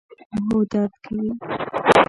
هو، درد کوي